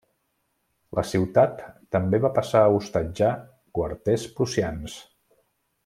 La ciutat també va passar a hostatjar quarters prussians.